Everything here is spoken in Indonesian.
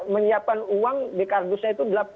menyiapkan uang di kardusnya itu